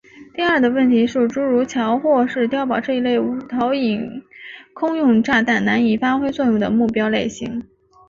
第二的问题是诸如桥或是碉堡这一类无导引空用炸弹难以发挥作用的目标类型。